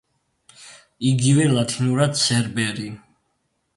იგივე ლათინურად ცერბერი.